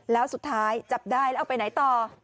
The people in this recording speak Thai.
แล้วสุดท้ายจับได้แล้วเอาไปไหนต่อ